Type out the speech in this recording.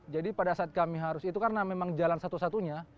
jadi pada saat kami harus itu karena memang jalan satu satunya